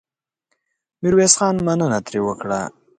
ميرويس خان مننه ترې وکړه.